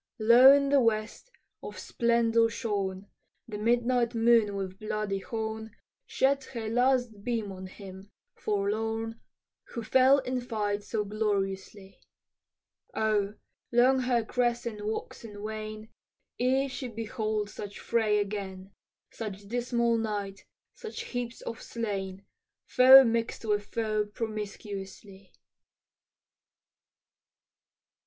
Low in the west, of splendor shorn, The midnight moon with bloody horn Sheds her last beam on him, forlorn, Who fell in fight so gloriously; Oh! long her crescent wax and wane Ere she behold such fray again, Such dismal night, such heaps of slain, Foe mix'd with foe promiscuously.